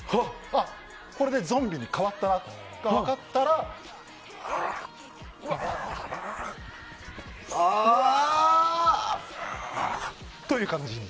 あ、これでゾンビに変わったなと分かったら。っていう感じで。